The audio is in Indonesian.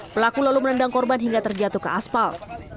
pelaku lalu menendang korban hingga terjatuh ke aspal